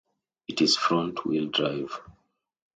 It is front-wheel drive.